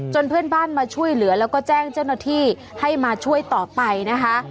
เพื่อนบ้านมาช่วยเหลือแล้วก็แจ้งเจ้าหน้าที่ให้มาช่วยต่อไปนะคะ